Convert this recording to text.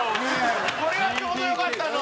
これがちょうどよかったのよ。